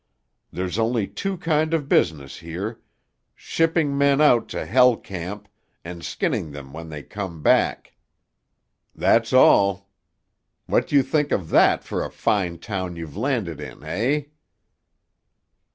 There's only two kind of business here—shipping men out to Hell Camp and skinning them when they come back. That's all. What you think of that for a fine town you've landed in, eh?"